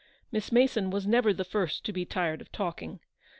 Miss Mason was never the first to be tired of talking.